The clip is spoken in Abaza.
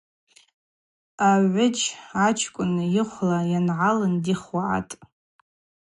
Агӏвыджь ачкӏвын йыхвла йангӏалын дихвгӏатӏ.